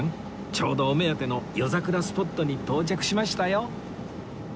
ちょうどお目当ての夜桜スポットに到着しましたよ